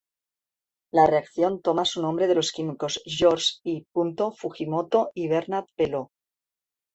La reacción toma su nombre de los químicos George I. Fujimoto y Bernard Belleau.